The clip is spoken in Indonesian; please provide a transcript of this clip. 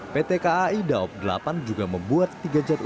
pt kai daop delapan juga membuat tiga jatuh gerbong penumpang